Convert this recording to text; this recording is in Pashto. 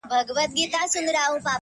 ستونزې ډېرېده اكثر،